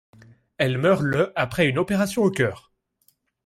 Elle meurt le après une opération au cœur.